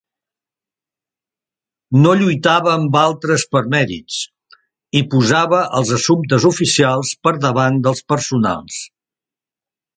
No lluitava amb altres per mèrits, i posava els assumptes oficials per davant dels personals.